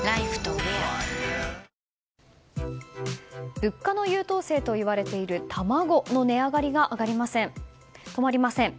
物価の優等生といわれている卵の値上がりが止まりません。